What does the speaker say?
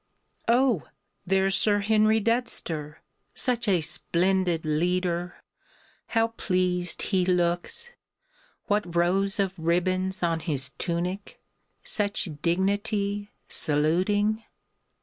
_ "Oh! there's Sir Henry Dudster! Such a splendid leader! How pleased he looks! What rows of ribbons on his tunic! Such dignity ... Saluting